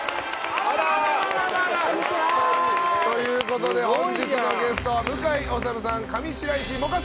ということで本日のゲストは向井理さん上白石萌歌さんです。